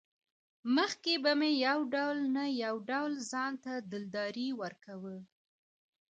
مخکې به مې يو ډول نه يو ډول ځانته دلداري ورکوه.